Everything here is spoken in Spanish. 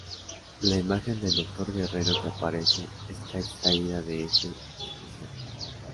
La imagen del Doctor Guerrero que aparece está extraída de ese especial.